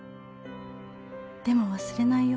「でも忘れないよ」